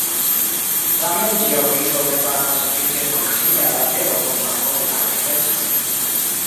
Tamen, ĝia orbito ne pasas sufiĉe proksime al la tero por favori la aktivecon.